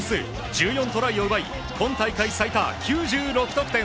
１４トライを奪い、今大会最多９６得点。